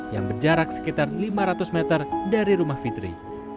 yang berjarak sekitar lima ratus meter dari rumah fitri